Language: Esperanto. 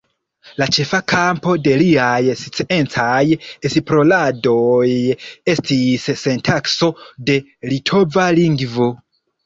La ĉefa kampo de liaj sciencaj esploradoj estis sintakso de litova lingvo.